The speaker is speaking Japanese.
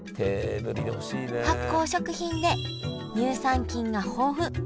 発酵食品で乳酸菌が豊富。